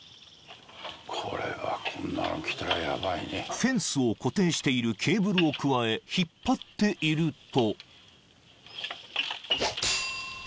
［フェンスを固定しているケーブルをくわえ引っ張っていると］